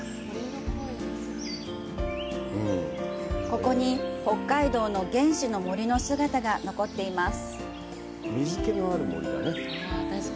ここに北海道の原始の森の姿が残っています。